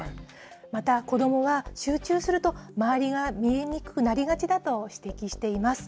また、子どもは集中すると、周りが見えにくくなりがちだと指摘しています。